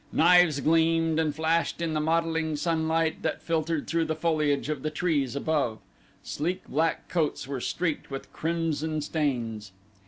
Knives gleamed and flashed in the mottling sunlight that filtered through the foliage of the trees above. Sleek black coats were streaked with crimson stains.